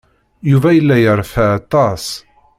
Yuba yella yerfa aṭas.